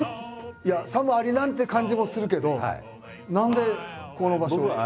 いやさもありなんって感じもするけど何でここの場所に？